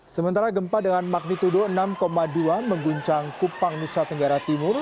sementara gempa dengan magnitudo enam dua mengguncang kupang nusa tenggara timur